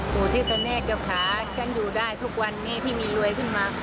ปู่เทพเนตเจ้าขาฉันอยู่ได้ทุกวันนี้ที่มีรวยขึ้นมา